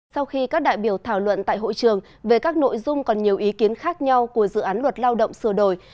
sau khi các đại biểu thảo luận tại hội trường về các nội dung còn nhiều ý kiến khác nhau của dự án luật lao động sửa đổi